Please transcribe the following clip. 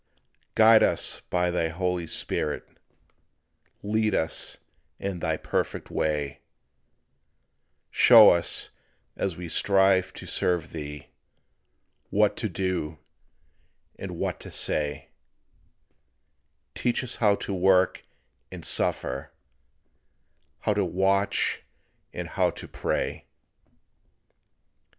Guide us by thy Holy Spirit, Lead us in thy perfect way; Show us as we strive to serve Thee, What to do and what to say; Teach us how to work and suffer, How to watch and how to pray.